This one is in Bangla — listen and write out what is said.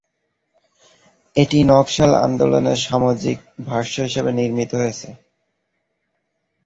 এটি নকশাল আন্দোলনের সামাজিক ভাষ্য হিসেবে নির্মিত হয়েছে।